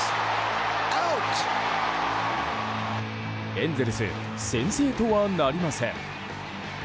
エンゼルス先制とはなりません。